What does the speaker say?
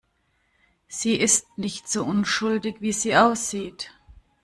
Sie ist nicht so unschuldig, wie sie aussieht.